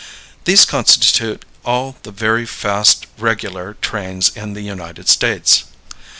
These constitute all the very fast regular trains in the United States.